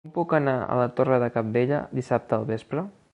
Com puc anar a la Torre de Cabdella dissabte al vespre?